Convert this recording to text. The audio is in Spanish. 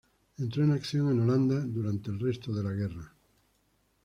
Entró en acción en Holanda durante el resto de la guerra.